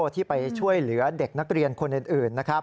ที่ไปช่วยเหลือเด็กนักเรียนคนอื่นนะครับ